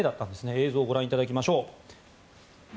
映像をご覧いただきましょう。